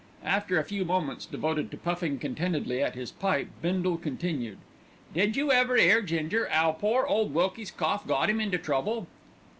After a few moments devoted to puffing contentedly at his pipe, Bindle continued, "Did you ever 'ear, Ginger, 'ow pore ole Wilkie's cough got 'im into trouble?"